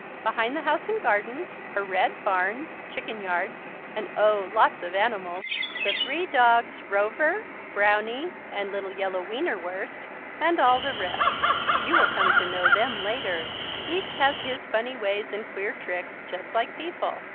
Behind the house and gardens are red barns, chicken yards and oh lots of animals, the three dogs, Rover, Brownie, and little yellow Wienerwurst and all the rest. You will come to know them later. Each has his funny ways and queer tricks just like people.